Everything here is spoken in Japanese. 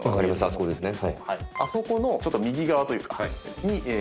あそこですね。